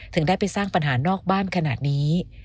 ถึงได้ไปสร้างปัญหานอกบ้านขนาดนี้